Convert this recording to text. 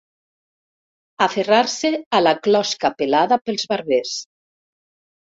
Aferrar-se a la closca pelada pels barbers.